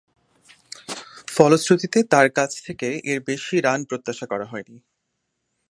ফলশ্রুতিতে, তার কাছ থেকে এর বেশি রান প্রত্যাশা করা হয়নি।